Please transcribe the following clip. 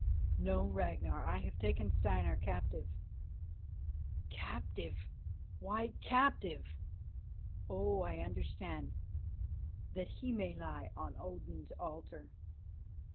"No, Ragnar, I have taken Steinar captive." "Captive! Why captive? Oh, I understand; that he may lie on Odin's altar.